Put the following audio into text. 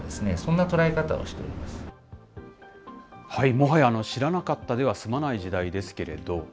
もはや、知らなかったでは済まない時代ですけれど。